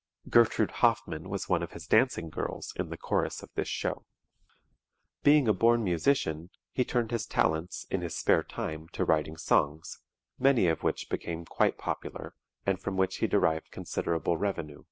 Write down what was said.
Gertrude Hoffmann was one of his dancing girls in the chorus of this show. [Illustration: FAIRBANKS TWINS] Being a born musician he turned his talents, in his spare time, to writing songs, many of which became quite popular, and from which he derived considerable revenue.